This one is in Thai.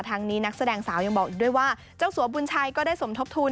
นี้นักแสดงสาวยังบอกอีกด้วยว่าเจ้าสัวบุญชัยก็ได้สมทบทุน